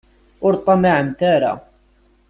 Ur ṭṭamaɛemt ara.